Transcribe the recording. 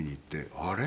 あれ？